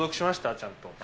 ちゃんと。